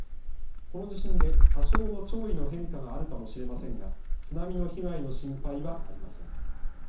この地震で多少の潮位の変化があるかもしれませんが津波の被害の心配はありません。